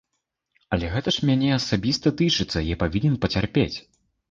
Але гэта ж мяне асабіста тычыцца, я павінен пацярпець.